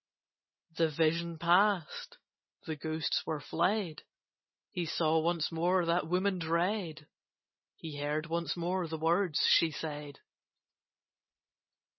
The vision passed: the ghosts were fled: He saw once more that woman dread: He heard once more the words she said.